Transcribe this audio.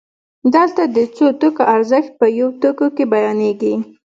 دلته د څو توکو ارزښت په یو توکي کې بیانېږي